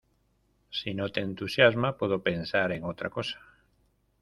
Si no te entusiasma, puedo pensar en otra cosa.